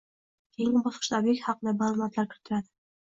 keyingi bosqichda ob’ekt haqida ma’lumotlar kiritiladi